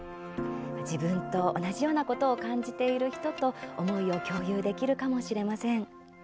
自分と同じようなことを感じている人と思いを共有できるかもしれません。